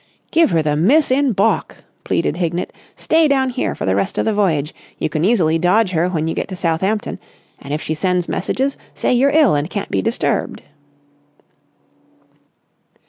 "Give her the miss in baulk," pleaded Hignett. "Stay down here for the rest of the voyage. You can easily dodge her when you get to Southampton. And, if she sends messages, say you're ill and can't be disturbed."